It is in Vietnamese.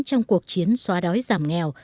trong cuộc chiến xóa đói giảm nghèo